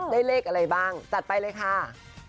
เลขอะไรบ้างจัดไปเลยค่ะ